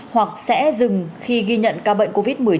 hoặc sẽ dừng khi ghi nhận ca bệnh covid một mươi chín